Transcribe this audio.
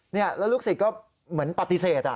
แล้วลูกศิษย์ก็เหมือนปฏิเสธ